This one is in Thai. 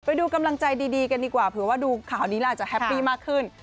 ไปดูกำลังใจดีกันดีกว่าเผื่อว่าดูข่าวนี้แล้วอาจจะแฮปปี้มากขึ้น